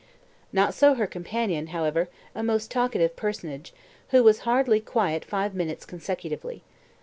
Not so her companion, however, a most talkative personage, who was hardly quiet five minutes consecutively.